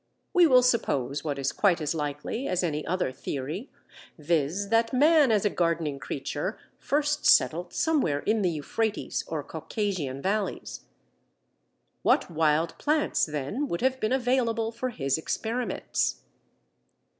We will suppose what is quite as likely as any other theory, viz. that man as a gardening creature first settled somewhere in the Euphrates or Caucasian valleys. What wild plants, then, would have been available for his experiments?